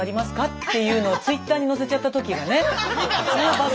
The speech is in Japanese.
っていうのをＴｗｉｔｔｅｒに載せちゃった時がねそれがバズったの。